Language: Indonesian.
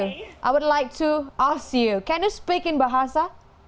saya ingin bertanya kepada anda bisakah anda berbicara dalam bahasa